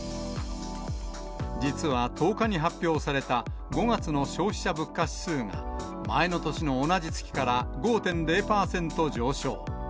実は１０日に発表された５月の消費者物価指数が、前の年の同じ月から５．０％上昇。